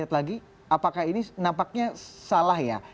apakah ini nampaknya salah ya